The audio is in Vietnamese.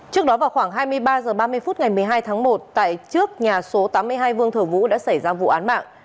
trước đó vào khoảng hai mươi ba h ba mươi phút ngày một mươi hai tháng một tại trước nhà số tám mươi hai vương thờ vũ đã xảy ra vụ án mạng